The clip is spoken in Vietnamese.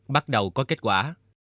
bắt đầu có kết quả